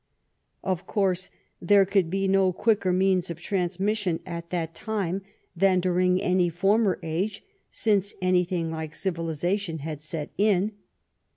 Of course there could be no quicker means of trans mission at that time than during any former age since anything like civilization had set in.